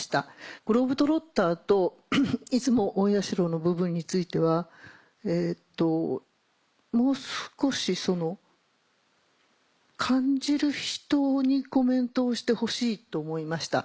グローブ・トロッターと出雲大社の部分についてはもう少しその感じる人にコメントをしてほしいと思いました。